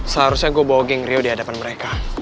seharusnya gue bawa geng rio di hadapan dia